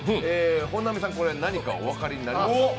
本並さん、これ何かお分かりになりますか？